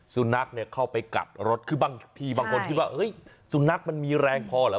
สุนัขเนี่ยเข้าไปกัดรถคือบางทีบางคนคิดว่าเฮ้ยสุนัขมันมีแรงพอเหรอ